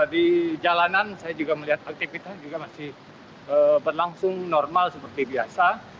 di jalanan saya juga melihat aktivitas juga masih berlangsung normal seperti biasa